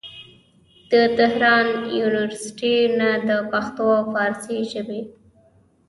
د تهران يونيورسټۍ نه د پښتو او فارسي ژبې